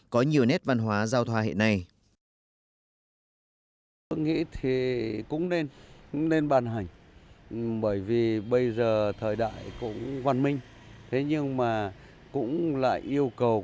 có nhiều nét văn hóa giao thoa hiện nay